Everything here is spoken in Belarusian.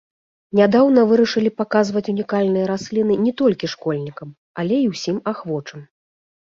Нядаўна вырашылі паказваць унікальныя расліны не толькі школьнікам, але і ўсім ахвочым.